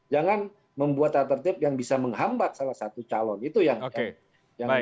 jangan membuat tatip yang bisa menghambat salah satu calon itu yang bisa saya sampaikan